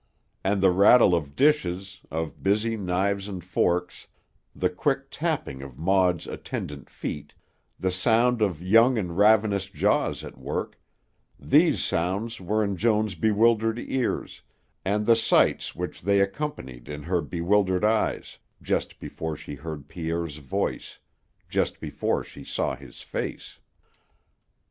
And the rattle of dishes, of busy knives and forks, the quick tapping of Maud's attendant feet, the sound of young and ravenous jaws at work: these sounds were in Joan's bewildered ears, and the sights which they accompanied in her bewildered eyes, just before she heard Pierre's voice, just before she saw his face.